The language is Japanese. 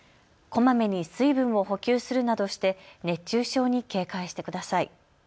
こまめに水分を補給するなどして熱中症に警戒してください。